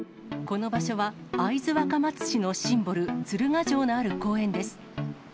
この場所は、会津若松市のシンボル、鶴ヶ城のある公園です。